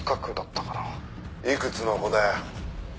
「いくつの子だよ」